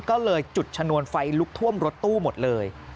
ก็เลยจุดชนวนไฟลุกท่วมรถตู้หมดเลย